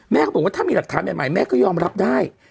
เขาบอกว่าถ้ามีหลักฐานใหม่แม่ก็ยอมรับได้